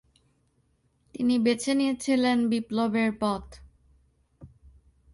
তিনি বেছে নিয়েছিলেন বিপ্লবের পথ।